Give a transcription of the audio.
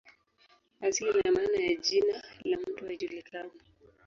Asili na maana ya jina la mto haijulikani.